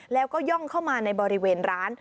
แล้วก็ย่องเข้ามาในบริเวณร้าน